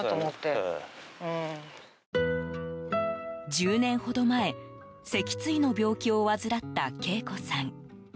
１０年ほど前脊椎の病気を患った恵子さん。